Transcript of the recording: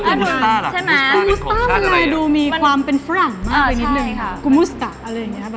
กูมูสตามันดูมีความเป็นฝรั่งมากไปนิดนึงครับแบบกุมูสตะไว้งั้นฮะ